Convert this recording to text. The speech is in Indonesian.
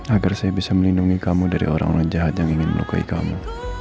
agar saya bisa melindungi kamu dari orang orang jahat yang ingin melukai kamu